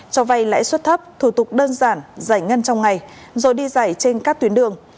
cho vay lãi suất thấp thủ tục đơn giản giải ngân trong ngày rồi đi giải trên các tuyến đường